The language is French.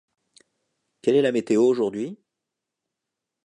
Quelle est la météo aujourd'hui ?